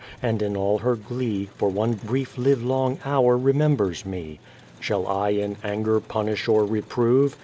" and in all her glee For one brief live long hour remembers me. Shall I in anger punish or reprove?